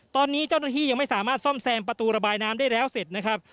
ตอนนี้เจ้าหน้าที่ยังไม่สามารถซ่อมแซมประตูระบายน้ำได้แล้วเสร็จนะครับ